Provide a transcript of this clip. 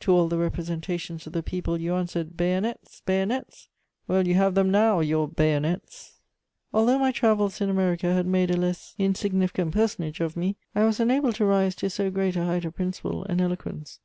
To all the representations of the people you answered, 'Bayonets! Bayonets!' Well, you have them now, your bayonets!" Although my travels in America had made a less insignificant personage of me, I was unable to rise to so great a height of principle and eloquence.